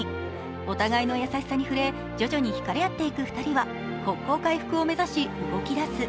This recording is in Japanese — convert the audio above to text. お互いの優しさに触れ、徐々にひかれ合っていく２人は国交回復を目指し動き出す。